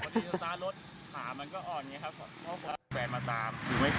สตาร์ทรถขามันก็อ่อนไงครับเพราะว่าคุณแฟนมาตาม